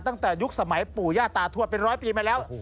ตั้งแต่ยุคสมัยปู่ย่าตาทวดเป็นร้อยปีมาแล้ว